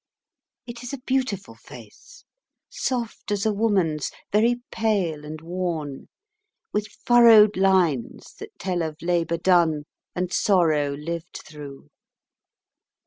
It is a beautiful face, soft as a woman's, very pale and worn, with furrowed lines that tell of labour done and sorrow lived through.